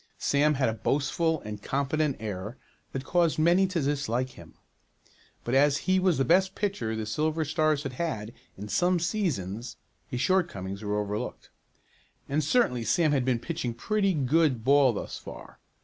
Sam had a boastful and confident air that caused many to dislike him, but as he was the best pitcher the Silver Stars had had in some seasons his short comings were overlooked. And certainly Sam had been pitching pretty good ball thus far.